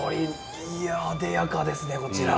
いやあでやかですねこちら。